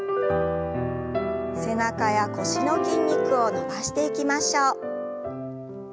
背中や腰の筋肉を伸ばしていきましょう。